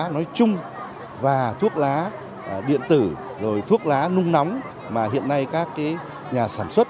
nói chung thuốc lá điện tử thuốc lá nung nóng mà hiện nay các nhà sản xuất